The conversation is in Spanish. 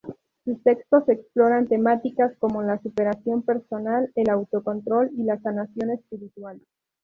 Sus textos exploran temáticas como la superación personal, el autocontrol y la sanación espiritual.